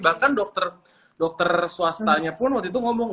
bahkan dokter swastanya pun waktu itu ngomong